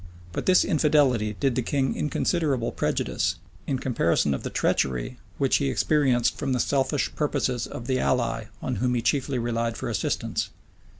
But this infidelity did the king inconsiderable prejudice, in comparison of the treachery which he experienced from the selfish purposes of the ally on whom he chiefly relied for assistance.